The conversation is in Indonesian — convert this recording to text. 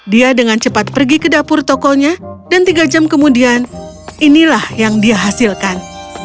dia dengan cepat pergi ke dapur tokonya dan tiga jam kemudian inilah yang dia hasilkan